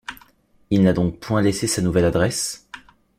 Il n’a donc point laissé sa nouvelle adresse?